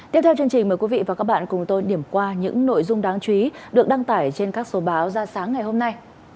tiếp theo chương trình mời quý vị và các bạn cùng tôi điểm qua những nội dung đáng chú ý được đăng tải trên các số báo ra sáng ngày hôm nay